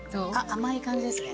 甘い感じですね。